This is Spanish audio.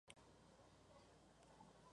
Simmons siguió con su papel original.